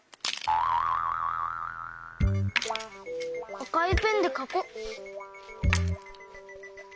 あかいペンでかこう。